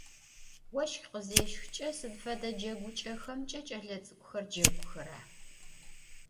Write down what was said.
Vos khızêsıç'e sıd fede ceguç'exemç'e ç'elets'ık'uxer ceguxera?